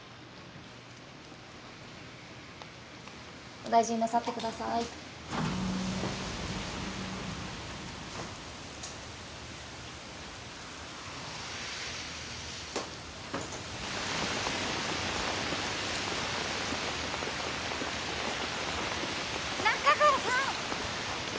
お大事になさってください仲川さん！